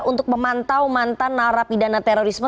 untuk memantau mantan nafi dana terorisme